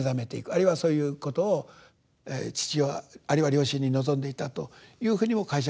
あるいはそういうことを父親あるいは両親に望んでいたというふうにも解釈できるかと思うんですけど。